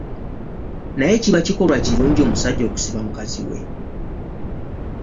Naye kiba kikolwa kirungi omusajja okusiba mukazi we?